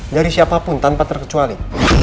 dari siapapun tanpa terkecuali